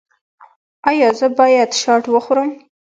ایا زه باید شات وخورم؟